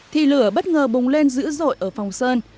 thì lửa bất ngờ bùng lên dữ dội ở phòng sơn